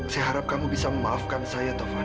saya harap kamu bisa memaafkan saya tuhan